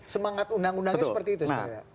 semangat undang undangnya seperti itu sebenarnya